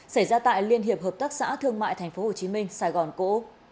xảy ra tại liên hiệp hợp tác xã thương mại tp hcm sài gòn cộ